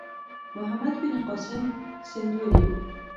محمد بن قاسم سند ونیو.